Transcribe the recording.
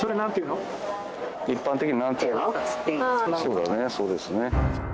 そうだねそうですね。